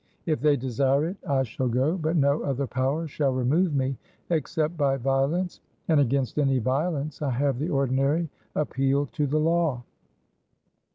If they desire it, I shall go; but no other power shall remove me, except by violence; and against any violence I have the ordinary appeal to the law."